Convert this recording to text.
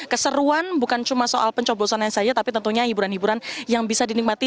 keseruan bukan cuma soal pencoblosannya saja tapi tentunya hiburan hiburan yang bisa dinikmati